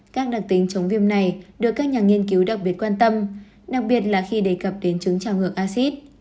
các đặc tính chống viêm này được các nhà nghiên cứu đặc biệt quan tâm đặc biệt là khi đề cập đến chứng trào ngược acid